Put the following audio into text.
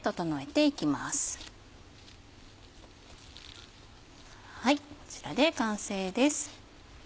はいこちらで完成です。